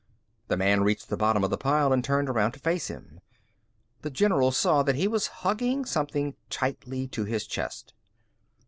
The man reached the bottom of the pile and turned around to face him. The general saw that he was hugging something tightly to his chest.